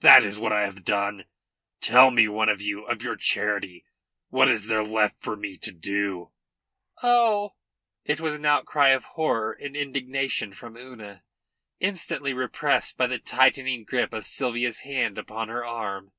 That is what I have done. Tell me, one of you, of your charity, what is there left for me to do?" "Oh!" It was an outcry of horror and indignation from Una, instantly repressed by the tightening grip of Sylvia's hand upon her arm.